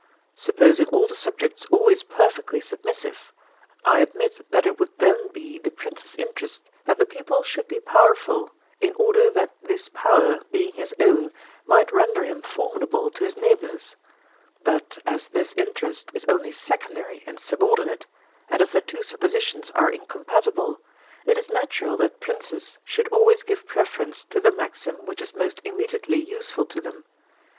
Supposing all the subjects always perfectly submissive, I admit that it would then be the prince's interest that the people should be powerful, in order that this power, being his own, might render him formidable to his neighbors; but as this interest is only secondary and subordinate, and as the two suppositions are incompatible, it is natural that princes should always give preference to the maxim which is most immediately useful to them.